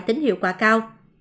những hiệu quả cao